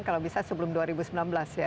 kalau bisa sebelum dua ribu sembilan belas ya